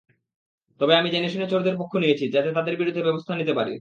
তবে আমি জেনেশুনে চোরদের পক্ষ নিয়েছি, যাতে তাদের বিরুদ্ধে ব্যবস্থা নিতে পারি।